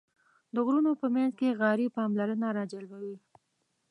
د غرونو په منځ کې غارې پاملرنه راجلبوي.